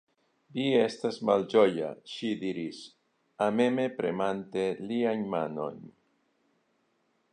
Vi estas malĝoja, ŝi diris, ameme premante liajn manojn.